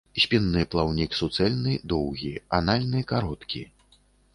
Спінны плаўнік суцэльны, доўгі, анальны кароткі.